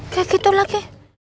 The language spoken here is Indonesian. kek itu lagi